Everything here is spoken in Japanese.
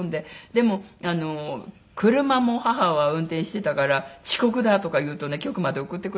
でも車も母は運転してたから「遅刻だ！」とか言うとね局まで送ってくれたり。